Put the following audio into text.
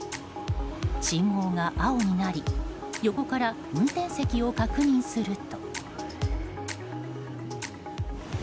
信号が青になり横から運転席を確認すると。